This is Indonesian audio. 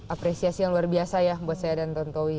apresiasi yang luar biasa ya buat saya dan tontowi